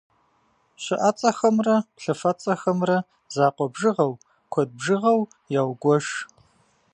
Щыӏэцӏэхэмрэ плъыфэцӏэхэмрэ закъуэ бжыгъэу, куэд бжыгъэу яугуэш.